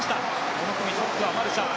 この組トップはマルシャン。